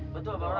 betul pak lura